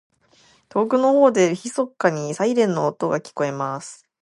•遠くの方で、微かにサイレンの音が聞こえます。